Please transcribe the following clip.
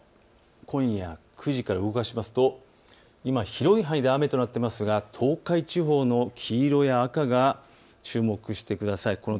今夜９時から動かしますと今、広い範囲で雨となっていますが東海地方の黄色や赤に注目してください。